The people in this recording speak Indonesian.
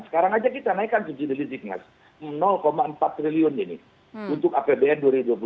sekarang aja kita naikkan subsidi mas empat triliun ini untuk apbn dua ribu dua puluh tiga